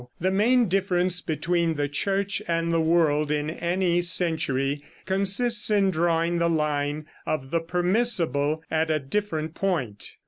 The main difference between the Church and the world in any century consists in drawing the line of the permissible at a different point.